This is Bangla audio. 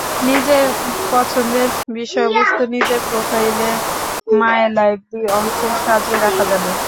নিজের পছন্দের বিষয়বস্তু নিজের প্রোফাইলে মাই লাইব্রেরি অংশে সাজিয়ে রাখা যাবে।